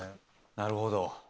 なるほど。